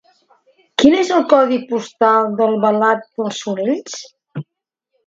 Quin és el codi postal d'Albalat dels Sorells?